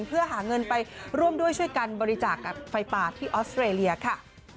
เพื่อหาเงินไปร่วมด้วยช่วยกันบริจาคกับไฟป่าที่ออสเตรเลียค่ะ